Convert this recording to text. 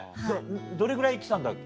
どれぐらい行ってたんだっけ？